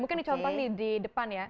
mungkin dicontoh nih di depan ya